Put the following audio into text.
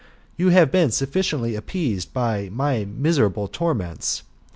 You have been suffi ciently appeased by these my miserable torments.